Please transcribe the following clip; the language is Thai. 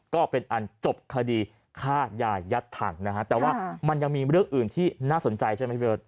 ก็เป็นอันจบคดีฆ่ายายยัดถังนะฮะแต่ว่ามันยังมีเรื่องอื่นที่น่าสนใจใช่ไหมพี่เบิร์ต